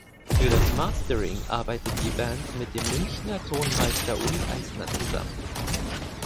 Für das Mastering arbeitet die Band mit dem Münchener Tonmeister Uli Eisner zusammen.